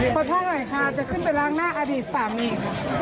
ขอโทษหน่อยค่ะจะขึ้นไปล้างหน้าอดีตสามีค่ะ